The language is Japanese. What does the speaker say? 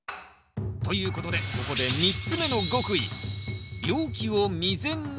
ということでここで３つ目の極意